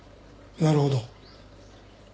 なるほど。